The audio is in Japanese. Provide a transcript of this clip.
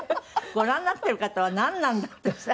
ご覧になってる方はなんなんだってさ。